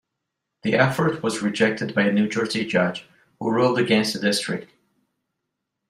The effort was rejected by a New Jersey judge who ruled against the district.